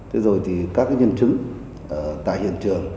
rồi các nhân chứng tại hiện trường